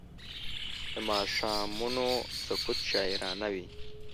د ماښامونو سکوت شاعرانه وي